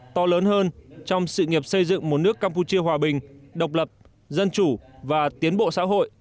to lớn hơn trong sự nghiệp xây dựng một nước campuchia hòa bình độc lập dân chủ và tiến bộ xã hội